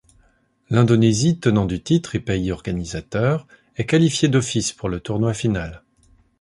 L'Indonésie, tenant du titre et pays organisateur, est qualifiée d'office pour le tournoi final.